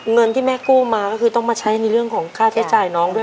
เงินที่แม่กู้มาก็คือต้องมาใช้ในเรื่องของค่าใช้จ่ายน้องด้วย